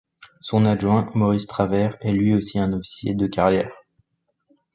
Son adjoint, Maurice Travers, est lui aussi un officier de carrière.